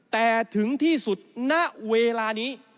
แต่ถึงที่สุดณเวลานี้